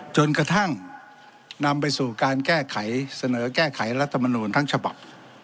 จนกระทั่งนำไปสู่การแก้ไขเสนอแก้ไขรัฐมนูลทั้งฉบับ